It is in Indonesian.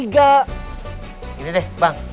gini deh bang